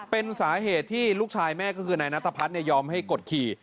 เป็นสาเหตุที่ลูกชายแม่ก็คือนายนัทพัฒน์ยอมให้กดขี่